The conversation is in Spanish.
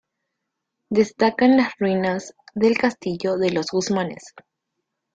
Destacan las ruinas del Castillo de los Guzmanes.